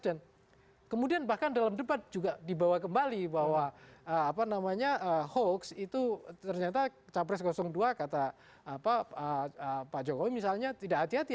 dan kemudian bahkan dalam debat juga dibawa kembali bahwa apa namanya hoaks itu ternyata capres dua kata pak jokowi misalnya tidak hati hati